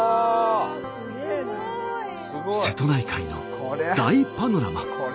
すごい！瀬戸内海の大パノラマ。